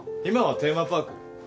今はテーマパーク。